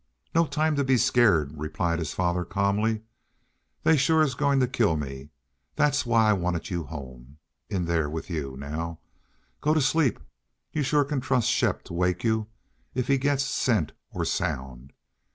"No time to be scared," replied his father, calmly. "They're shore goin' to kill me. That's why I wanted you home.... In there with you, now! Go to sleep. You shore can trust Shepp to wake you if he gets scent or sound....